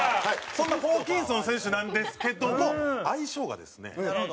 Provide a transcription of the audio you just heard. そんなホーキンソン選手なんですけども愛称がですね